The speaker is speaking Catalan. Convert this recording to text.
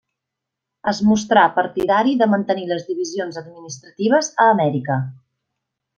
Es mostrà partidari de mantenir les divisions administratives a Amèrica.